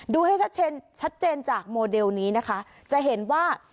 ดูให้ชัดเจนชัดเจนจากโมเดลนี้นะคะจะเห็นว่า